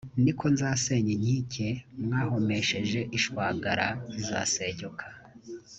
ni ko nzasenya inkike mwahomesheje ishwagara izasenyuka.